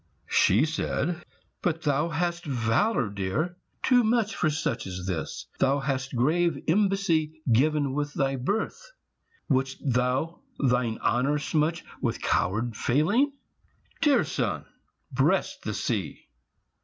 She said: "But thou hast valour, dear, too much For such as this; thou hast grave embassy, Given with thy birth; would'st thou thine honour smutch With coward failing? Dear son, breast the sea."